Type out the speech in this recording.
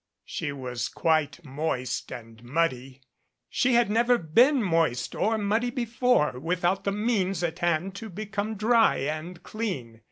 She was quite moist and muddy. She had never been moist or muddy before without the means at hand to be come dry and clean.